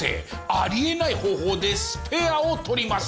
あり得ない方法でスペアを取ります。